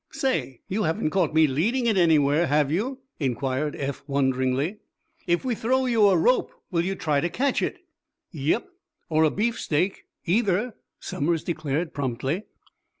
"Say, you haven't caught me leading it anywhere, have you?" inquired Eph, wonderingly. "If we throw you a rope, will you try to catch it?" "Yep, or a beefsteak, either," Somers declared, promptly.